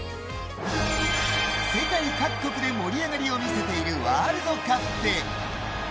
世界各国で盛り上がりを見せているワールドカップ。